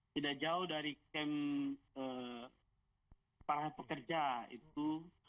tidak jauh dari kem para pekerja itu